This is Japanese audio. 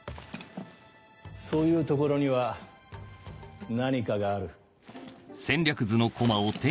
そういうところには何かがある。